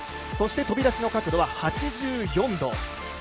そして、飛び出しの角度は８４度。